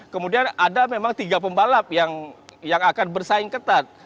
kemudian ada memang tiga pembalap yang akan bersaing ketat